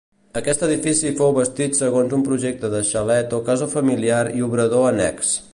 Aquest edifici fou bastit segons un projecte de xalet o casa familiar i obrador annex.